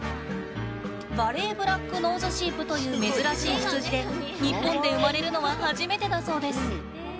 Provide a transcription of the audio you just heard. ヴァレーブラックノーズシープという珍しい羊で日本で生まれるのは初めてだそうです。